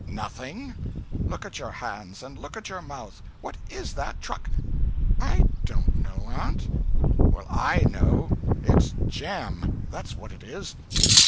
"Nothing! Look at your hands. And look at your mouth. What is that truck?" "I don't know, aunt." "Well, I know. It's jam—that's what it is.